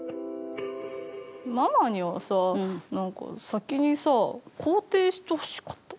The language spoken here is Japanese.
ママにはさ、なんか先にさ肯定してほしかった。